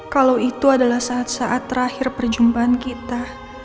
kalau itu adalah saat saat terakhir perjumpaan kita